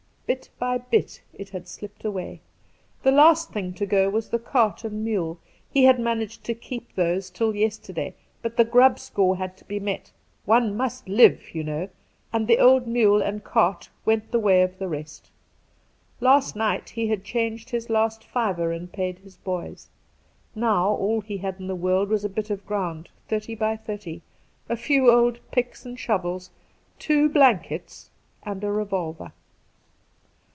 Bit by bit it had slipped away. The last thing to go was the cart and mule ; he had managed to keep those till yesterday, but the grub score had to be met — one must live, you know — and the old mule and cart went the way of the rest. Last night he had changed his last fiver and paid his boys. Now all he had in the world was a bit of ground (thirty by thirty), a few old picks and shovels, two blankets, and a revolver.